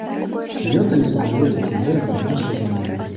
І лёталі самалёты чужыя над нашай зямлёй.